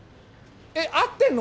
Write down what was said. えっ会ってんの！？